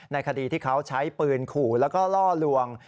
คดีที่เขาใช้ปืนขู่แล้วก็ล่อลวง